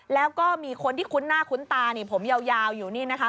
แล้วก็มีคนที่คุ้นหน้าคุ้นตานี่ผมยาวอยู่นี่นะคะ